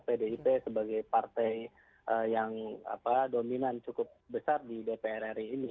pdip sebagai partai yang dominan cukup besar di dpr ri ini